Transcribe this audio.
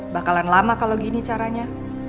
bakalan lama kalau gini caranya